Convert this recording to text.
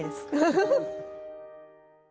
フフフ！